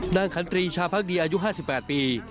ขันตรีชาพักดีอายุ๕๘ปี